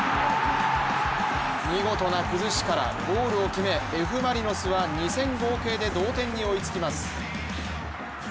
見事な崩しからゴールを決めＦ・マリノスは２戦合計で同点に追いつきます。